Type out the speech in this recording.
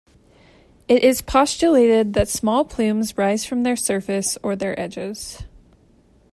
It is postulated that small plumes rise from their surface or their edges.